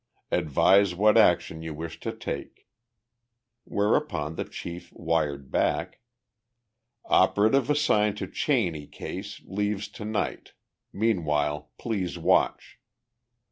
Advise what action you wish us to take. Whereupon the chief wired back: Operative assigned to Cheney case leaves to night. Meanwhile please watch.